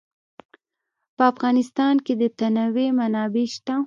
په افغانستان کې د تنوع منابع شته.